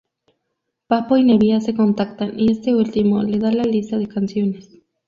Pappo y Nebbia se contactan y este último le da la lista de canciones.